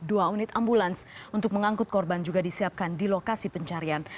dua unit ambulans untuk mengangkut korban juga disiapkan di lokasi pencarian